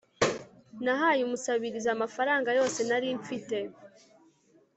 nahaye umusabiriza amafaranga yose nari mfite